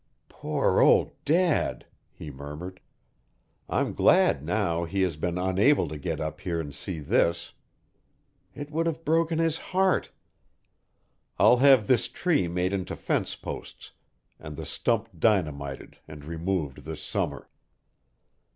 "Poor old Dad!" he murmured. "I'm glad now he has been unable to get up here and see this. It would have broken his heart. I'll have this tree made into fence posts and the stump dynamited and removed this summer.